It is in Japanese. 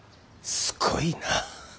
すごいな。